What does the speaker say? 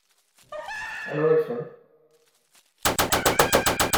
Aniwa-kem?